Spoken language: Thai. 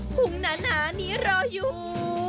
ุงหนานี้รออยู่